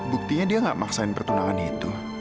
buktinya dia gak maksain pertunangan itu